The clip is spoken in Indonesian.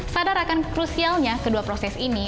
sadar akan krusialnya kedua proses ini